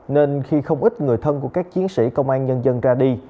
nên khi không ít người thân của các chiến sĩ công an nhân dân ra đi